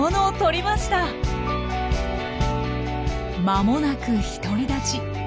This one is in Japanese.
間もなく独り立ち。